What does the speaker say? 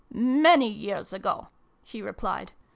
" Many years ago," he replied.